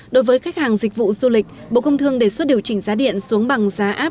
đối với khách hàng dịch vụ du lịch bộ công thương đề xuất điều chỉnh giá điện xuống bằng giá áp